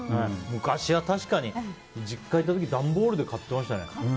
昔は確かに、実家いた時段ボールで買ってましたね。